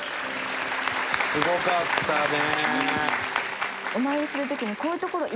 すごかったね。